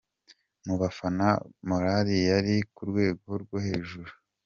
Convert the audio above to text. Mu bafana morali yari ku rwego rwo hejuru.